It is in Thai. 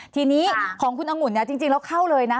ทีนี้ของคุณองุ่นเนี่ยจริงแล้วเข้าเลยนะ